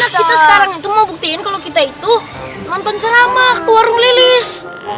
makanya kita sekarang itu mau buktikan kalau kita itu nonton drama ke warung lilis